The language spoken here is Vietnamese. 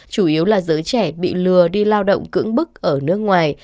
chủ yếu là giới trẻ bị lừa đi lao động cưỡng bức ở nước ngoài